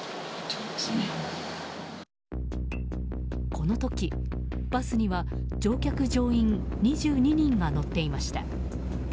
この時、バスには乗客・乗員２２人が乗っていました。